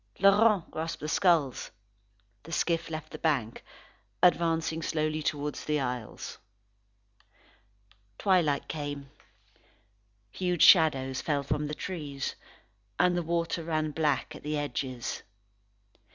Laurent grasped the skulls. The skiff left the bank, advancing slowly towards the isles. Twilight came. Huge shadows fell from the trees, and the water ran black at the edges.